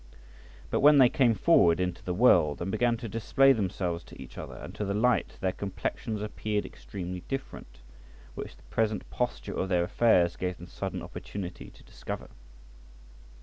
But when they came forward into the world, and began to display themselves to each other and to the light, their complexions appeared extremely different, which the present posture of their affairs gave them sudden opportunity to discover.